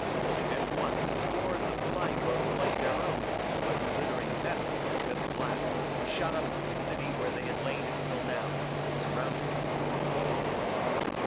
At once scores of flying boats like their own, but glittering metal instead of black, shot up from the city where they had lain until now, and surrounded them.